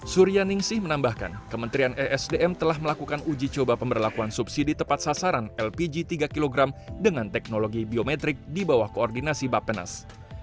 surya ningsih menambahkan kementerian esdm telah melakukan uji coba pemberlakuan subsidi tepat sasaran lpg tiga kg dengan teknologi biometrik di bawah koordinasi bapenas